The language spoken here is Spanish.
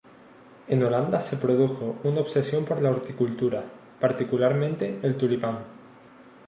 En Holanda se produjo una obsesión por la horticultura, particularmente el tulipán.